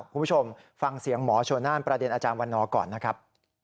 คุณผู้ชมฟังเสียงหมอชนน่านประเด็นอาจารย์วันนอร์ก่อนนะครับ